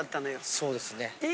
そうですねはい。